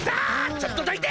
ちょっとどいて！